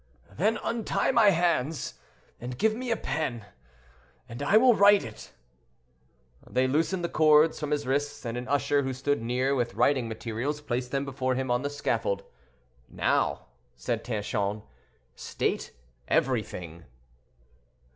"Then untie my hands, and give me a pen and I will write it." They loosened the cords from his wrists, and an usher who stood near with writing materials placed them before him on the scaffold. "Now," said Tanchon, "state everything."